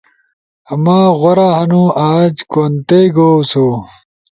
مہ غورا ہنو۔ آج کونتئ گؤ سو۔